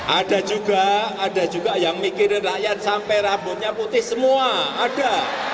ada juga ada juga yang mikirin rakyat sampai rambutnya putih semua ada